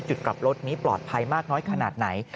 จุดกลับรถนี้ปลอดภัยมากน้อยขนาดไหน